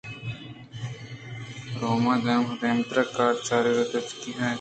رو ءُدم دیمترا کارءِ چاگر دءَ گچینی نہ اِنت